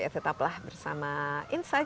tetaplah bersama insight